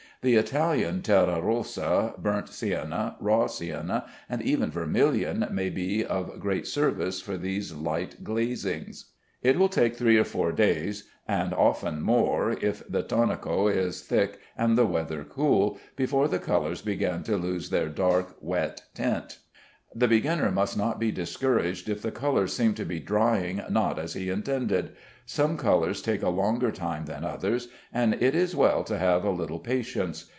The Italian terra rossa, burnt sienna, raw sienna, and even vermilion, may be of great service for these light glazings. It will take three or four days (and often more, if the intonaco is thick and the weather cool) before the colors begin to lose their dark, wet tint. The beginner must not be discouraged if the colors seem to be drying not as he intended. Some colors take a longer time than others, and it is well to have a little patience.